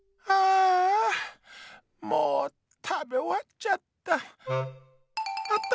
ああもうたべおわっちゃった。